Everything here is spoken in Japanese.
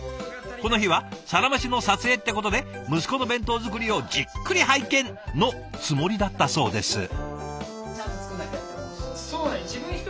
この日は「サラメシ」の撮影ってことで息子の弁当作りをじっくり拝見！のつもりだったそうです。